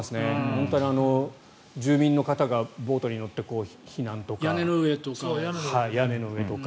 本当に住民の方がボートに乗って屋根の上とか。